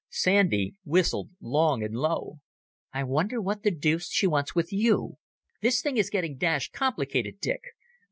Sandy whistled long and low. "I wonder what the deuce she wants with you? This thing is getting dashed complicated, Dick